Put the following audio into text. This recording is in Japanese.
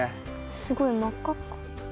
すごいまっかっか。